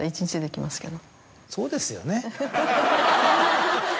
そうですよね。